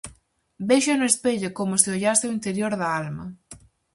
Vexo no espello como se ollase o interior da alma.